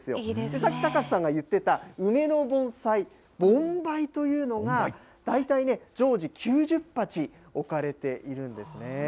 さっき高瀬さんが言ってた梅の盆栽、盆梅というのが大体ね、常時９０鉢置かれているんですね。